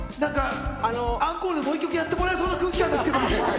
アンコールで、もう１曲やってくれそうな空気感ですけど。